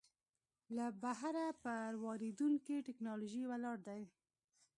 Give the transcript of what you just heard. له بهره پر واردېدونکې ټکنالوژۍ ولاړ دی.